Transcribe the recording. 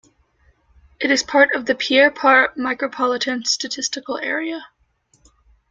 It is part of the Pierre Part Micropolitan Statistical Area.